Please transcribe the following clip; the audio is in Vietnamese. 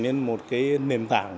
nên một cái nền tảng